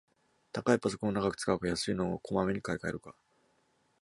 高いパソコンを長く使うか、安いのをこまめに買いかえるか